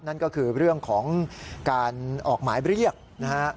นั่นก็คือเรื่องของการออกหมายเรียกนะฮะ